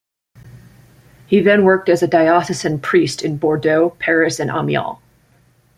He then worked as a diocesan priest in Bordeaux, Paris and Amiens.